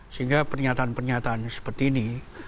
sehingga pernyataan pernyataan seperti ini